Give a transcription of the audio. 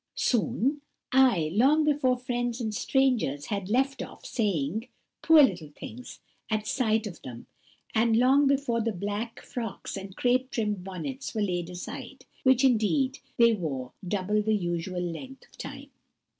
Soon? Ay, long before friends and strangers lead left off saying 'Poor little things' at sight of them, and long before the black frocks and crape trimmed bonnets were laid aside, which, indeed, they wore double the usual length of time."